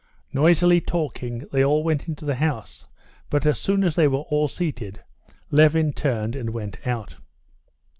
Noisily talking, they all went into the house; but as soon as they were all seated, Levin turned and went out.